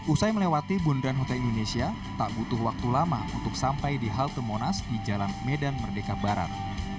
usai melewati bundaran hotel indonesia tak butuh waktu lama untuk sampai di halte monas di jalan medan merdeka barat